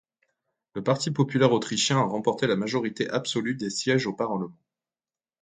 Le Parti populaire autrichien a remporté la majorité absolue des sièges au Parlement.